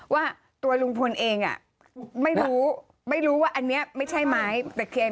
ว่าตัวลุงพลเองอ่ะไม่รู้ไม่รู้ว่าอันนี้ไม่ใช่ไม้ตะเคียน